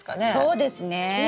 そうですね。